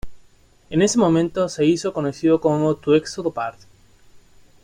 En ese momento se hizo conocido como Tuxedo Park.